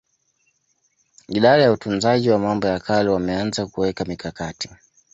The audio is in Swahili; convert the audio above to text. Idara ya Utunzaji wa mambo ya kale wameanza kuweka mikakati